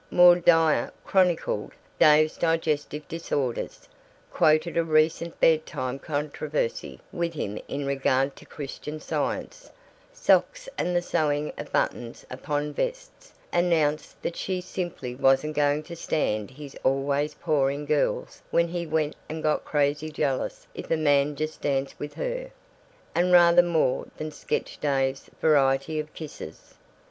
Maud Dyer chronicled Dave's digestive disorders; quoted a recent bedtime controversy with him in regard to Christian Science, socks and the sewing of buttons upon vests; announced that she "simply wasn't going to stand his always pawing girls when he went and got crazy jealous if a man just danced with her"; and rather more than sketched Dave's varieties of kisses.